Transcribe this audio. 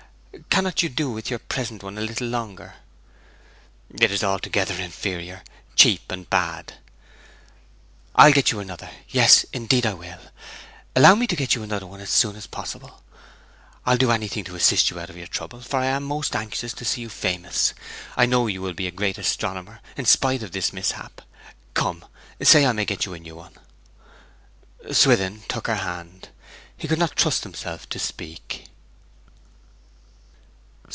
'Cannot you do with your present one a little longer?' 'It is altogether inferior, cheap, and bad!' 'I'll get you another, yes, indeed, I will! Allow me to get you another as soon as possible. I'll do anything to assist you out of your trouble; for I am most anxious to see you famous. I know you will be a great astronomer, in spite of this mishap! Come, say I may get a new one.' Swithin took her hand. He could not trust himself to speak.